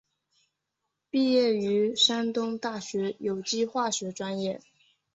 毕业于山东大学有机化学专业。